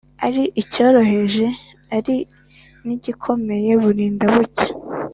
ari icyoroheje ari n’igikomeye, burinda bucya.